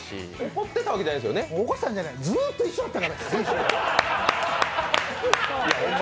怒ってたわけじゃないずっと一緒だったから、先週。